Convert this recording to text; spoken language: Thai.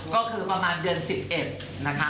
ก็คือประมาณเดือน๑๑นะคะ